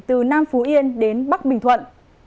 từ nam phú yên đến bắc bình thuận